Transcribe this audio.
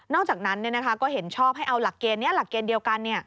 นอกจากนั้นก็เห็นชอบให้เอาหลักเกณฑ์เดียวกัน